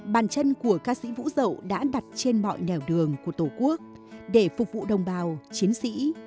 bàn chân của ca sĩ vũ dậu đã đặt trên mọi nẻo đường của tổ quốc để phục vụ đồng bào chiến sĩ